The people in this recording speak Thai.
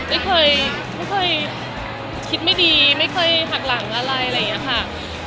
ไม่เคยไม่เคยคิดไม่ดีไม่เคยหักหลังอะไรอะไรอย่างนี้ค่ะ